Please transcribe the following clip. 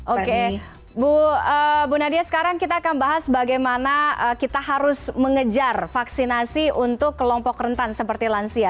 oke bu nadia sekarang kita akan bahas bagaimana kita harus mengejar vaksinasi untuk kelompok rentan seperti lansia